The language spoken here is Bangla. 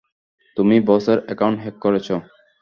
তুমি বসের একাউন্ট হ্যাঁক করেছ?